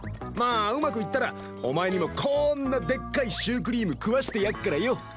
まあうまくいったらお前にもこんなでっかいシュークリーム食わしてやっからよ！